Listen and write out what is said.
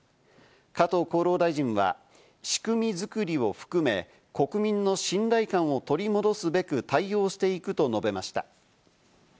加藤厚労大臣は、仕組み作りを含め、国民の信頼感を取り戻すべく対応していくと述べました。